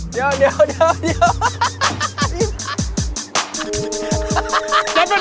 เห้ยร้านนี้จริงหรือ